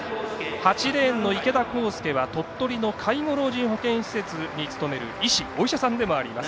８レーン、池田弘佑は鳥取の介護老人保健施設に勤める医師お医者さんでもあります。